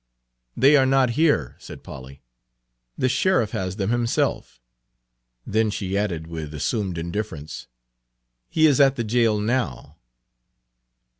"They are not here," said Polly. "The sheriff has them himself." Then she added, with assumed indifference, "He is at the jail now."